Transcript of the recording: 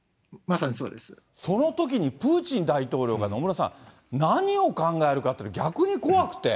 そのときに、プーチン大統領が野村さん、何を考えるかっていうのは、逆に怖くて。